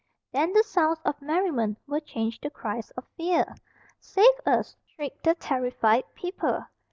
Then the sounds of merriment were changed to cries of fear. "Save us!" shrieked the terrified people.